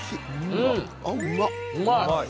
うまい！